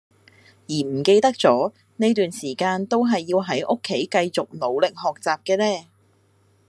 而唔記得咗呢段時間都係要喺屋企繼續努力學習嘅呢